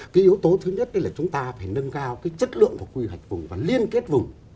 cái yếu tố thứ nhất là chúng ta phải nâng cao cái chất lượng của quy hoạch vùng và liên kết vùng